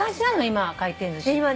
今回転寿司。